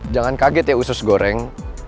jangan kaget ya usus goreng